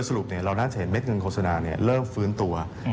สรุปเราน่าจะเห็นเด็ดเงินโฆษณาเริ่มฟื้นตัว